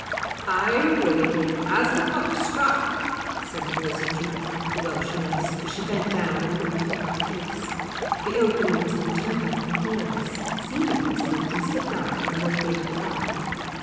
"Ay, Willie, as the clock struck!" said the voice of Judith, the Welsh nurse, as she bent down and looked at the white face. The old woman must have turned back and followed us, seen the accident, and slipped out by the lower gate of the garden.